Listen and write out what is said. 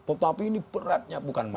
tapi ini beratnya bukan banyak